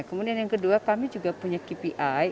kemudian yang kedua kami juga punya kpi